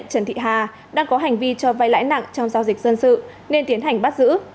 trần thị hà đang có hành vi cho vai lãi nặng trong giao dịch dân sự nên tiến hành bắt giữ